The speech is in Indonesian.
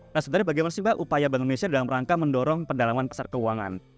nah sebenarnya bagaimana sih mbak upaya bank indonesia dalam rangka mendorong pendalaman pasar keuangan